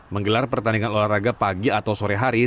menggelar pertandingan olahraga pagi atau sore hari